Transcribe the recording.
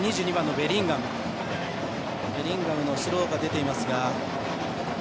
ベリンガムのスローが出ていますが。